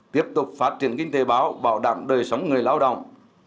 tiếp tục phát triển kinh tế báo bảo đảm đời sống người lao động